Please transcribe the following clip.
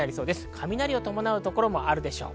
雷を伴うところもあるでしょう。